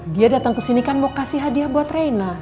dia datang kesini kan mau kasih hadiah buat rena